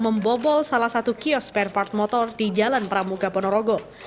membobol salah satu kios spare parts motor di jalan pramuka ponorogo